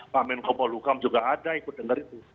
pemen komol hukum juga ada ikut denger itu